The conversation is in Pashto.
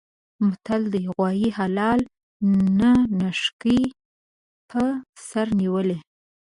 متل دی: غوایه حلال نه نښکي په سر نیولي.